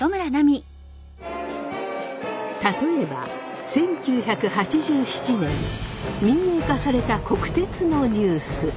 例えば１９８７年民営化された国鉄のニュース。